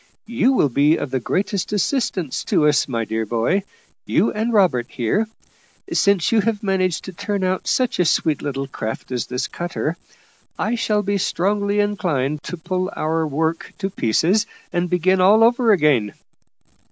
You will be of the greatest assistance to us, my dear boy you and Robert here. Since you have managed to turn out such a sweet little craft as this cutter, I shall be strongly inclined to pull our work to pieces and begin all over again."